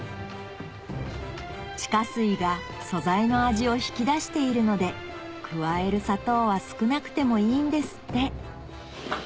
地下水が素材の味を引き出しているので加える砂糖は少なくてもいいんですって